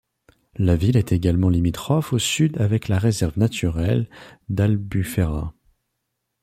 La ville est également limitrophe au sud avec la Réserve naturelle d'Albufera.